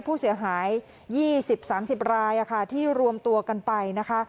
ผู้เสียหายยี่สิบสามสิบรายอะค่ะที่รวมตัวกันไปนะคะ